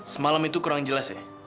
semalam itu kurang jelas ya